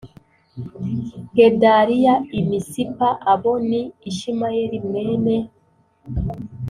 Gedaliya i Misipa Abo ni Ishimayeli mwene